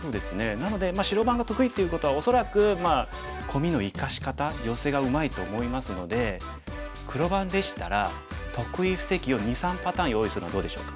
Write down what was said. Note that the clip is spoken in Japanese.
なので白番が得意っていうことは恐らくコミの生かし方ヨセがうまいと思いますので黒番でしたら得意布石を２３パターン用意するのはどうでしょうか。